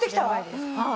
はい。